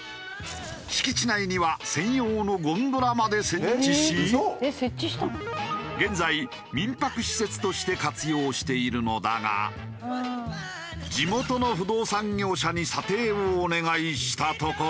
敷地内には専用の現在民泊施設として活用しているのだが地元の不動産業者に査定をお願いしたところ。